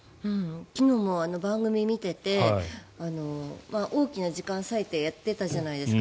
昨日も番組を見てて大きな時間を割いてやってたじゃないですか。